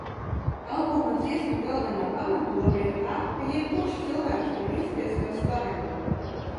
Albuma dziesmu galvenā pamatdoma ir tā, ka jebkurš cilvēks var justies kā slavenība.